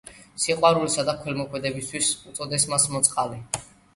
სიყვარულისა და ქველმოქმედებისთვის უწოდეს მას „მოწყალე“.